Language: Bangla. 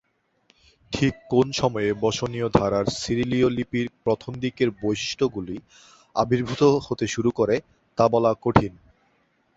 ঠিক কোন সময়ে বসনীয় ধারার সিরিলীয় লিপির প্রথম দিকের বৈশিষ্ট্যগুলি আবির্ভূত হতে শুরু করে তা বলা কঠিন।